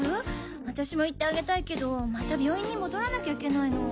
私も行ってあげたいけどまた病院に戻らなきゃいけないの。